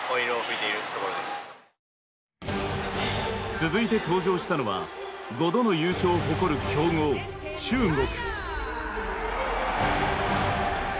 続いて登場したのは５度の優勝を誇る強豪中国。